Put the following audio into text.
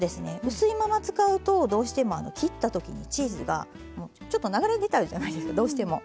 薄いまま使うとどうしても切った時にチーズがちょっと流れ出ちゃうじゃないですかどうしても。